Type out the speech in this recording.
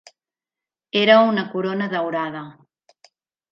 Era una corona daurada.